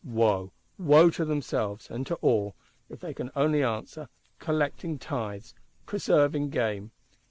Wo, wo to themselves and to all, if they can only answer: Collecting tithes, Preserving game!